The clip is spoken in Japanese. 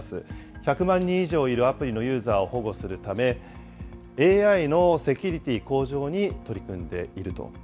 １００万人以上いるアプリのユーザーを保護するため、ＡＩのセキュリティー向上に取り組んでいると。